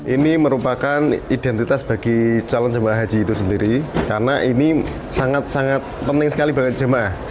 ini merupakan identitas bagi calon jemaah haji itu sendiri karena ini sangat sangat penting sekali bagi jemaah